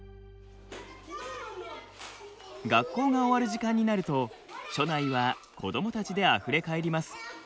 学校が終わる時間になると署内は子どもたちであふれ返ります。